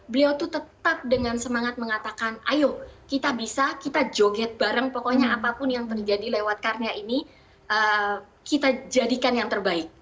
beliau tuh tetap dengan semangat mengatakan ayo kita bisa kita joget bareng pokoknya apapun yang terjadi lewat karya ini kita jadikan yang terbaik